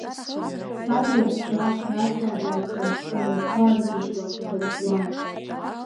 Саб иаҳәшьа Ҳраҵла дакәшон, лнапқәа ыргьежьуа дагәӡуан.